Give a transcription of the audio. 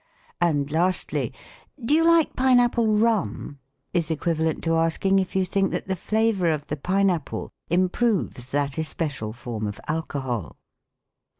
And lastly, " Do you like pine apple rum V is equiv alent to asking if you think that the flavor of the pine apple improves that especial form of alcohol.